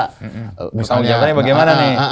pertanggung jawabannya bagaimana nih